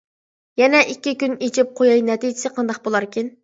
يەنە ئىككى كۈن ئېچىپ قۇياي نەتىجىسى قانداق بۇلاركىن.